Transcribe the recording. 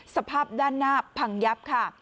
สภาพด้านหน้าพังยับค่ะ